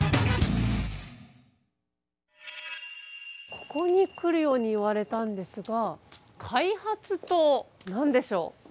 ここに来るように言われたんですが開発棟？何でしょう？